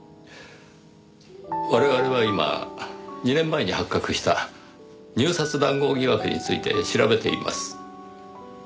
我々は今２年前に発覚した入札談合疑惑について調べています。